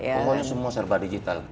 pokoknya semua serba digital